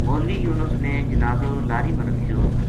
مولوی یونس نے جنازو لاری ما رکھیو